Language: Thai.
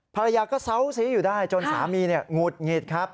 ภรรยาก็เซาซีอยู่ได้จนสามีหงุดหงิดครับ